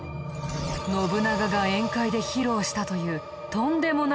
信長が宴会で披露したというとんでもないもの。